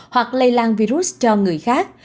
hoặc lây lan virus cho người khác